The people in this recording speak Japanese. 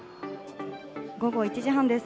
午後１時半です。